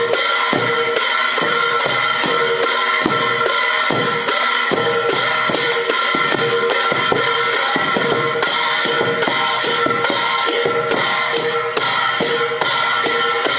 โปรดติดตามตอนต่อไป